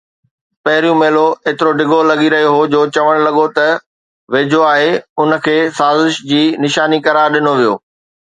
پهريون ميلو ايترو ڊگهو لڳي رهيو هو، جو چوڻ لڳو ته ويجهو آهي، ان کي سازش جي نشاني قرار ڏنو ويو